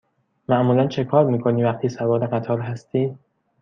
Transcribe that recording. معمولا چکار می کنی وقتی سوار قطار هستی؟